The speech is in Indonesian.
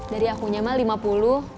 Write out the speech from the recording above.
dari akunya mah rp lima puluh